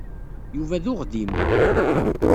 Yuba d uɣdim.